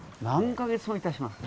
何か月も？